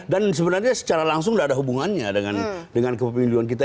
dan sebenarnya secara langsung tidak ada hubungannya dengan kepemiluan kita